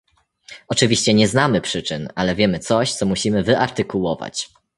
Oczywiście nie znamy przyczyn, ale wiemy coś, co musimy wyartykułować